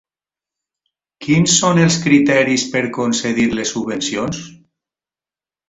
Quins són els criteris per concedir les subvencions?